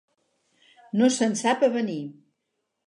No se'n sap avenir.